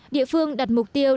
địa phương đặt mục tiêu